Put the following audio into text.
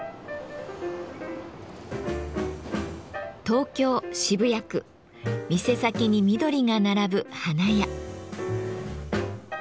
東京・渋谷区店先に緑が並ぶ花屋。